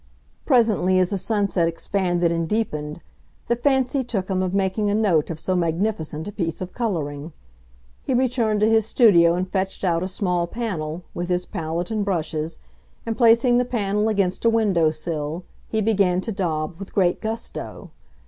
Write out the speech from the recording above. Presently, as the sunset expanded and deepened, the fancy took him of making a note of so magnificent a piece of coloring. He returned to his studio and fetched out a small panel, with his palette and brushes, and, placing the panel against a window sill, he began to daub with great gusto.